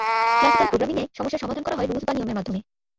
Classical programming এ সমস্যার সমাধান করা হয় রুলস বা নিয়মের মাধ্যমে।